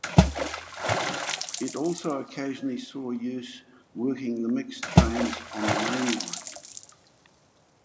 It also occasionally saw use working the mixed trains on the mainline.